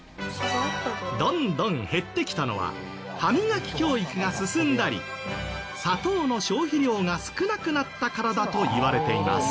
どんどん減ってきたのは歯磨き教育が進んだり砂糖の消費量が少なくなったからだといわれています。